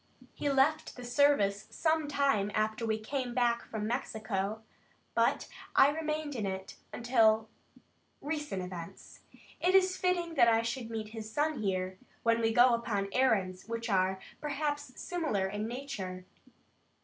He left the service some time after we came back from Mexico, but I remained in it, until recent events. It is fitting that I should meet his son here, when we go upon errands which are, perhaps, similar in nature.